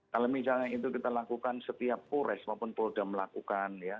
kalau misalnya itu kita lakukan setiap kores maupun prodam lakukan ya